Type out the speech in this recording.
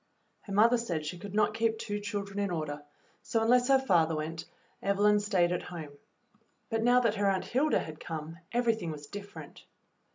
Her mother said she could not keep two children in order, so unless her father went Evelyn stayed at home; but now that her Aunt Hilda had come, everything was different.